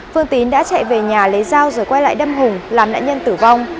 phương tín đã chạy về nhà lấy dao rồi quay lại đâm hùng làm nạn nhân tử vong